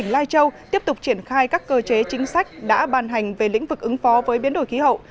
lai châu tiếp tục triển khai các cơ chế chính sách đã ban hành về lĩnh vực ứng phó với biến đổi khí hậu